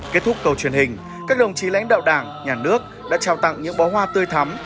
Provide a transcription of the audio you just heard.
kết thúc cầu truyền hình các đồng chí lãnh đạo đảng nhà nước đã trao tặng những bó hoa tươi thắm